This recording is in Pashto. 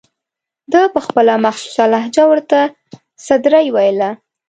ده به په خپله مخصوصه لهجه ورته سدرۍ ویله.